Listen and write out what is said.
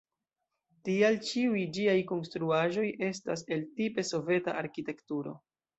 Tial ĉiuj ĝiaj konstruaĵoj estas el tipe soveta arkitekturo.